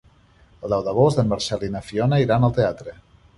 El deu d'agost en Marcel i na Fiona iran al teatre.